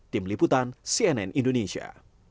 tim liputan cnn indonesia